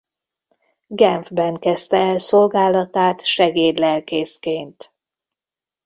Genfben kezdte el szolgálatát segédlelkészként.